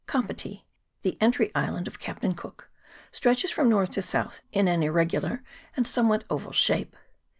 KAPITI the " Entry Island " of Captain Cook stretches from north to south in an irregular and somewhat oval shape.